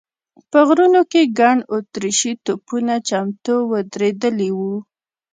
په غرونو کې ګڼ اتریشي توپونه چمتو ودرېدلي و.